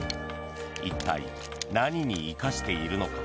一体、何に生かしているのか。